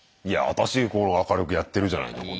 いやあたし明るくやってるじゃないの。